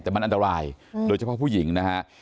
แต่มันอันตรายโดยเฉพาะผู้หญิงนะฮะ